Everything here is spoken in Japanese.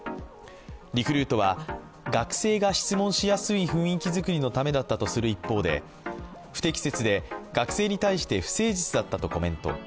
リクルートは、学生が質問しやすい雰囲気作りのためだったとする一方で不適切で学生に対して不誠実だったとコメント。